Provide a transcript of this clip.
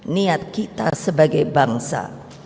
niat kita sebagai bangsa